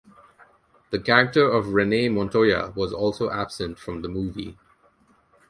The character of Renee Montoya was also absent from the movie.